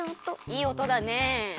いいおとだね。